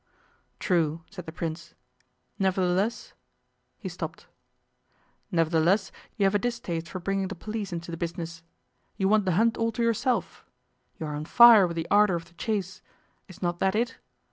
'True,' said the Prince. 'Nevertheless ' He stopped. 'Nevertheless you have a distaste for bringing the police into the business. You want the hunt all to yourself. You are on fire with the ardour of the chase. Is not that it?